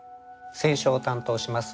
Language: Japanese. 選書を担当します